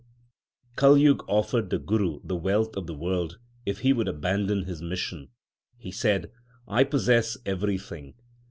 2 Kaljug offered the Guru the wealth of the world if he would abandon his mission. He said, I possess everything.